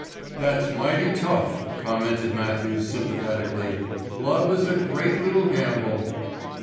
"That's mighty tough," commented Matthews sympathetically. "Love is a great little gamble."